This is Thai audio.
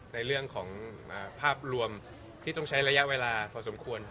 ในเรื่องของภาพรวมที่ต้องใช้ระยะเวลาพอสมควร